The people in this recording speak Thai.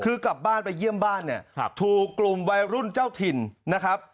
คือกลับบ้านไปเยี่ยมบ้านเนี่ยถูกกลุ่มวัยรุ่นเจ้าถิ่นนะครับ